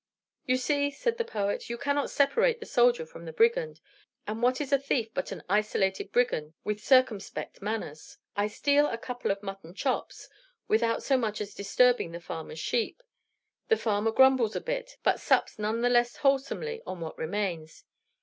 "You see," said the poet, "you cannot separate the soldier from the brigand; and what is a thief but an isolated brigand with circumspect manners? I steal a couple of mutton chops, without so much as disturbing the farmer's sheep; the farmer grumbles a bit, but sups none the less wholesomely on what remains.